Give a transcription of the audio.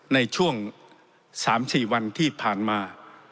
ในช่วง๓๔วันที่ผ่านมา